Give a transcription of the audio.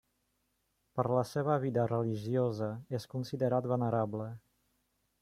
Per la seva vida religiosa, és considerat venerable.